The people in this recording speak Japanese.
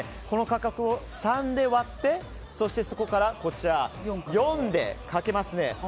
この価格を３で割ってそして、そこから４でかけますね。